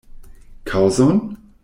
Kaŭzon?